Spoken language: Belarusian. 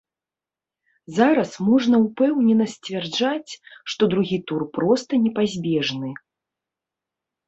Зараз можна ўпэўнена сцвярджаць, што другі тур проста непазбежны.